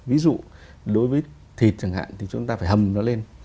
ví dụ đối với thịt chẳng hạn thì chúng ta phải hầm nó lên